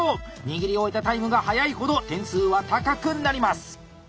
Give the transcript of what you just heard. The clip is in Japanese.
握り終えたタイムが速いほど点数は高くなります。